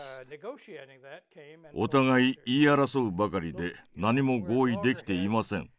「お互い言い争うばかりで何も合意できていません。